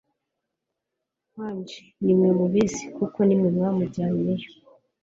Angel nimwe mubizi kuko nimwe mwamujyanye yo